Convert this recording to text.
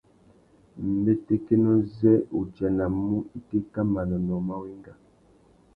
Mbétékénô zê udzanamú itéka manônōh má wenga.